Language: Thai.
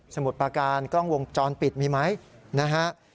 มุดประการกล้องวงจรปิดมีไหมนะฮะ